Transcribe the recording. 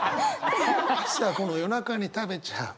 さあこの夜中に食べちゃう。